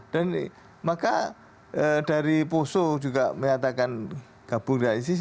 dan maka dari poso juga menyatakan gabung dengan isis